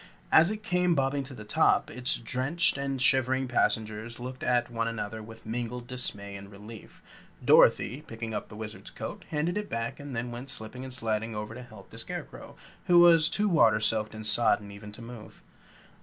As it came bobbing to the top, its drenched and shivering passengers looked at one another with mingled dismay and relief. Dorothy, picking up the Wizard's coat, handed it back and then went slipping and sliding over to help the Scarecrow, who was too water soaked and sodden even to move.